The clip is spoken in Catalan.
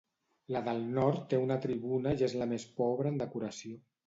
La del nord té una tribuna i és la més pobra en decoració.